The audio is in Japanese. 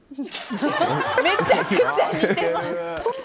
めちゃくちゃ似てます。